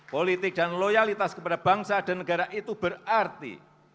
politik dan loyalitas kepada bangsa dan negara itu berarti